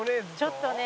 「ちょっとね」